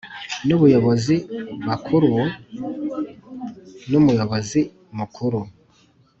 n ubayobozi bakuru n muyobozi mukuru